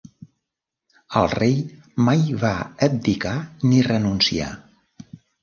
El rei mai va abdicar ni renunciar.